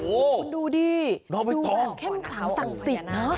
โอ้ดูดิน้องไม่ต้องดูแบบเข้มขลางศักดิ์สิทธิ์เนอะ